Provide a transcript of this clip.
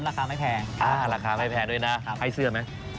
ราคาไม่แพงราคาไม่แพงด้วยนะให้เสื้อไหม